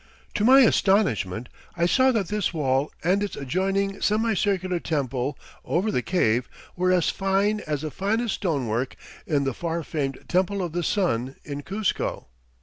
To my astonishment I saw that this wall and its adjoining semicircular temple over the cave were as fine as the finest stonework in the far famed Temple of the Sun in Cuzco.